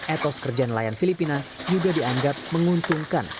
etos kerja nelayan filipina juga dianggap menguntungkan